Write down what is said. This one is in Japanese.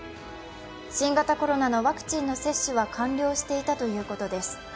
新型コロナのワクチンの接種は完了していたということです。